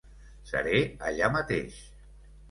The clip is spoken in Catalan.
Seré allà mateix.